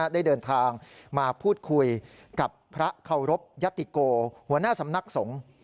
ได้เดินทางมาพูดคุยกับพระเคารพยัตติโกหัวหน้าสำนักสงฆ์